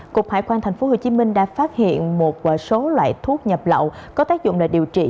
cục hải quan tp hcm đã phát hiện một số loại thuốc nhập lậu có tác dụng là điều trị